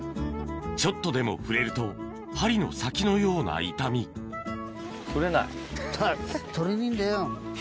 ちょっとでも触れると針の先のような痛み取れない。